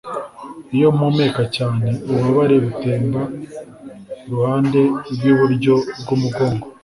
Iyo mpumeka cyane, ububabare butemba kuruhande rwiburyo bwumugongo.